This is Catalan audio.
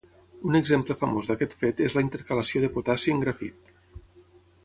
Un exemple famós d'aquest fet és la intercalació de potassi en grafit.